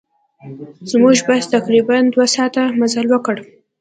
زموږ بس تقریباً دوه ساعته مزل وکړ.